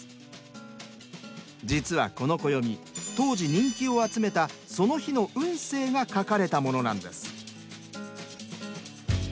実はこの暦当時人気を集めたその日の運勢が書かれたものなんです。